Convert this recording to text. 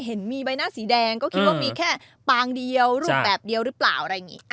เห็นมีใบหน้าสีแดงก็คิดว่ามีแค่ปางเดียวรูปแบบเดียวหรือเปล่าอะไรอย่างนี้